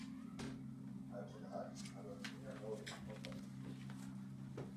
Uiteraard hebben we meer nodig dan dat.